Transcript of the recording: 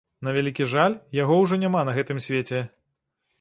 На вялікі жаль, яго ўжо няма на гэтым свеце.